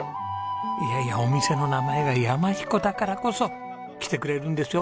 いやいやお店の名前が山ひこだからこそ来てくれるんですよ